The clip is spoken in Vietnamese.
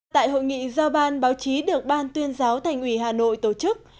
tại hội nghị do ban báo chí được ban tuyên giáo thành ủy hà nội tổ chức